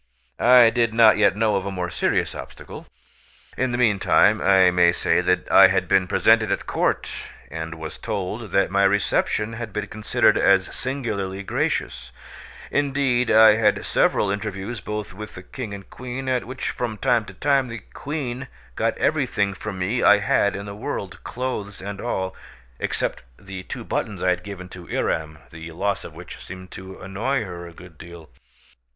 I did not yet know of a more serious obstacle. In the meantime, I may say that I had been presented at court, and was told that my reception had been considered as singularly gracious; indeed, I had several interviews both with the King and Queen, at which from time to time the Queen got everything from me that I had in the world, clothes and all, except the two buttons I had given to Yram, the loss of which seemed to annoy her a good deal.